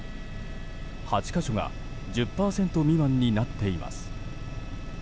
８か所が１０％未満になっています。